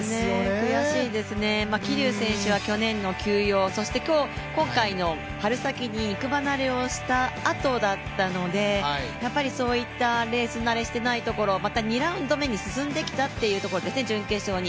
悔しいですね、桐生選手は去年の休養、そして今回の春先に肉離れをしたあとだったので、そういったレース慣れしていないところ、また２ラウンド目に進んできたというところですね、準決勝に。